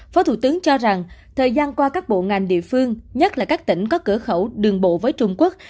phó thủ tướng cho rằng thời gian qua các bộ ngành địa phương nhất là các tỉnh có cửa khẩu đường bộ với trung quốc